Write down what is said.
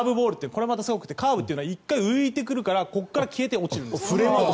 これまたすごくてカーブは１回浮いてくるからここから消えて、落ちるんです。